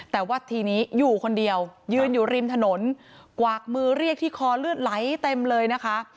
แต่ว่าทีนี้อยู่คนเดียวยืนอยู่ริมถนนกวากมือเรียกที่คอเลือดไหลเต็มเลยนะคะ